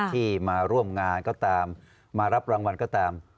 ที่มาร่วมงานก็ตามมารับรางวัลก็ตาม